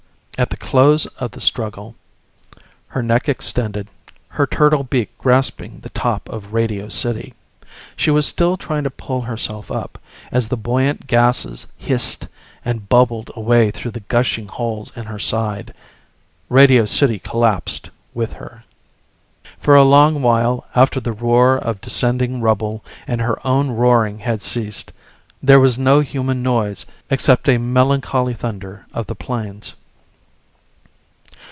At the close of the struggle her neck extended, her turtle beak grasping the top of Radio City. She was still trying to pull herself up, as the buoyant gasses hissed and bubbled away through the gushing holes in her side. Radio City collapsed with her. For a long while after the roar of descending rubble and her own roaring had ceased, there was no human noise except a melancholy thunder of the planes.